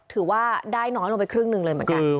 ถือว่าได้น้อยลงไปครึ่งหนึ่งเลยเหมือนกัน